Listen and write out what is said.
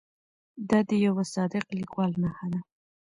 دا د یوه صادق لیکوال نښه ده.